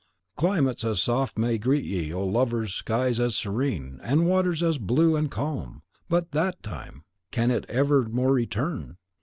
Climates as soft may greet ye, O lovers, skies as serene, and waters as blue and calm; but THAT TIME, can it ever more return?